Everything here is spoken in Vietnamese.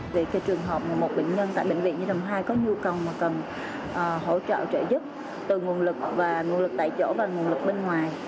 về cái trường hợp một bệnh nhân tại bệnh viện nhi đồng hai có nhu cầu mà cần hỗ trợ trợ giúp từ nguồn lực và nguồn lực tại chỗ và nguồn lực bên ngoài